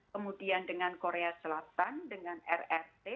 kemudian dengan korea selatan dengan rrt